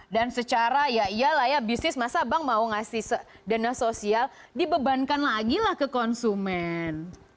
dan secara ya iyalah ya bisnis masa bank mau ngasih dana sosial dibebankan lagi lah ke konsumen